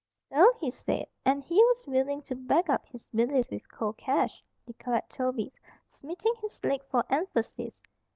"So he said. And he was willin' ter back up his belief with cold cash," declared Toby, smiting his leg for emphasis.